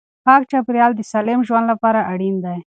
پاک چاپیریال د سالم ژوند لپاره اړین دی.